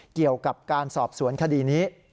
เกี่ยวกับการสอบสวนคดีนี้